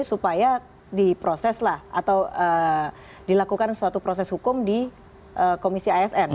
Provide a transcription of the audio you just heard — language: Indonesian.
supaya diproseslah atau dilakukan suatu proses hukum di komisi asn